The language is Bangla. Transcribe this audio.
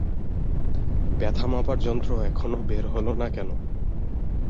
ব্যাথা মাপার যন্ত্র এখনও বের হল না কেন?